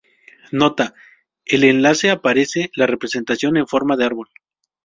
Nota: en el enlace aparece la representación en forma de árbol.